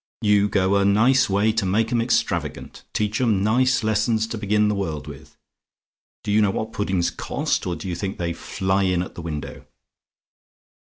You go a nice way to make 'em extravagant teach 'em nice lessons to begin the world with. Do you know what puddings cost; or do you think they fly in at the window?